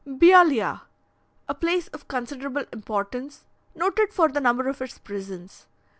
Bealeah, a place of considerable importance, noted for the number of its prisons.